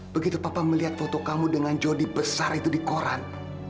begitu papa melihat foto kamu dengan jodi besar itu di koran